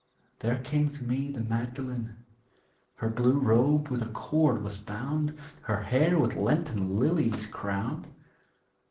There came to me the Magdalen. Her blue robe with a cord was bound, Her hair with Lenten lilies crowned.